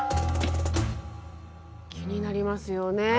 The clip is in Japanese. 気になりますよね。